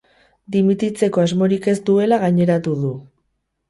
Dimititzeko asmorik ez duela gaineratu du.